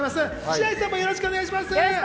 白石さん、よろしくお願いします。